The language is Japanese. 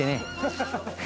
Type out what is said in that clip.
ハハハハ。